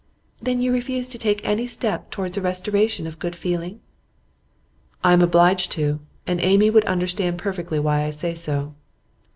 'Then you refuse to take any step towards a restoration of good feeling?' 'I am obliged to, and Amy would understand perfectly why I say so.